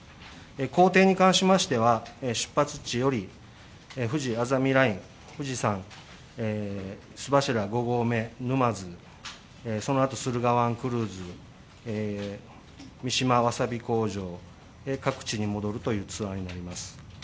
行程に関しましては、出発地よりふじあざみライン、富士山、須走５合目、沼津、そのあと、駿河湾クルーズ、三島わさび工場、各地に戻るというツアーになります。